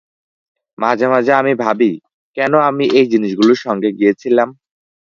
মাঝে মাঝে আমি ভাবি, কেন আমি এই জিনিসগুলোর সঙ্গে গিয়েছিলাম?